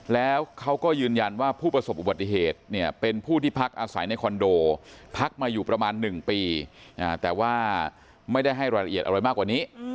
แล้วเขาก็ยืนยันว่าผู้ประสบอุบัติเหตุเนี่ยเป็นผู้ที่พักอาศัยในคอนโดพักมาอยู่ประมาณ๑ปีแต่ว่าไม่ได้ให้รายละเอียดอะไรมากกว่านี้